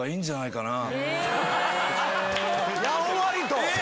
やんわりと。